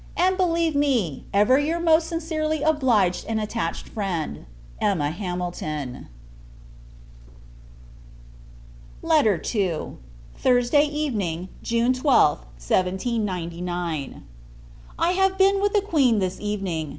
and believe me, ever, your most sincerely obliged and attached friend, EMMA HAMILTON. II. Thursday Evening, June 12th, [1799.] I have been with the Queen this evening.